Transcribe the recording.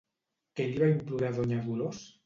Què li va implorar Donya Dolors?